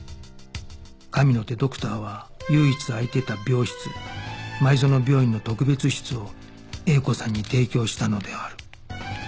「神の手ドクターは唯一空いていた病室前園病院の特別室をＡ子さんに提供したのである」